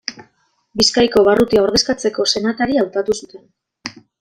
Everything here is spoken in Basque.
Bizkaiko barrutia ordezkatzeko senatari hautatu zuten.